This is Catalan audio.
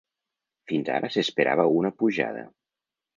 Fins ara s’esperava una pujada.